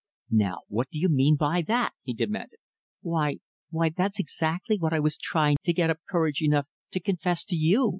"Now, what do you mean by that?" he demanded. "Why why that's exactly what I was trying to get courage enough to confess to you!"